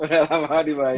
udah lama dibayar